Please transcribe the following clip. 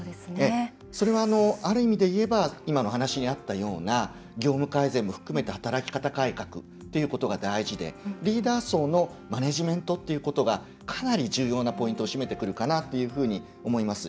それは、ある意味でいえば今の話にあったような業務改善も含めた働き方改革っていうことが大事でリーダー層のマネジメントっていうことが、かなり重要なポイントを占めてくるかなというふうに思います。